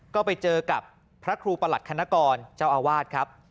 ก็ไปเจอกับพระครูประหลัดคณกรเจ้าอาวาสครับ